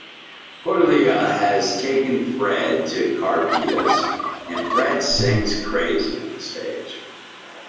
Cordelia has taken Fred to Caritas, and Fred sings "Crazy" on stage.